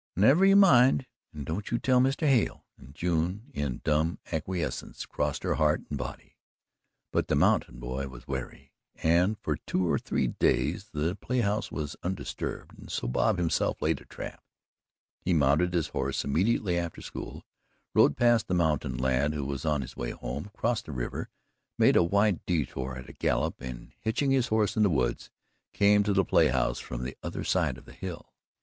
"Never you mind and don't you tell Mr. Hale," and June in dumb acquiescence crossed heart and body. But the mountain boy was wary, and for two or three days the play house was undisturbed and so Bob himself laid a trap. He mounted his horse immediately after school, rode past the mountain lad, who was on his way home, crossed the river, made a wide detour at a gallop and, hitching his horse in the woods, came to the play house from the other side of the hill.